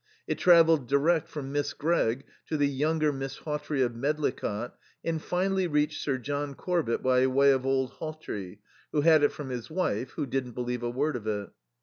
It travelled direct from Miss Gregg to the younger Miss Hawtrey of Medlicott, and finally reached Sir John Corbett by way of old Hawtrey, who had it from his wife, who didn't believe a word of it.